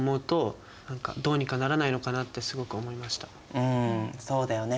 うんそうだよね。